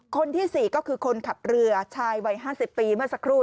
คนที่๔ก็คือคนขับเรือชายวัย๕๐ปีเมื่อสักครู่